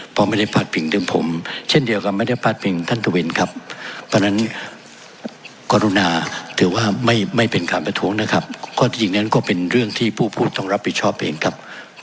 เพราะไม่ได้ภาษาภิกษ์ถึงผมเช่นเดียวกับไม่ได้ภาษาภิกษ์ถึงท่านทวินครับ